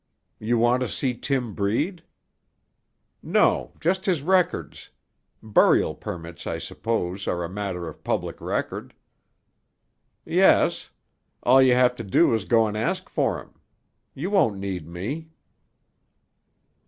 "You want to see Tim Breed?" "No; just his records. Burial permits, I suppose, are a matter of public record." "Yes. All you've got to do is to go and ask for 'em. You won't need me."